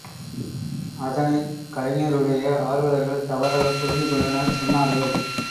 அதனைக் கலைஞருடைய ஆர்வலர்கள் தவறாகப் புரிந்து கொண்டனர் சொன்னார்கள்.